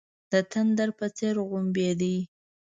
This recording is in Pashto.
د تندر په څېر غړمبېدی.